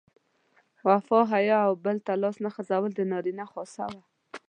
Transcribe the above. وفا، حیا او بل ته لاس نه غځول د نارینه خاصه وه.